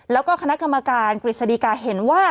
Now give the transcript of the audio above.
แล้วก็คณะกรรมการกฤษฎีกาเห็นว่า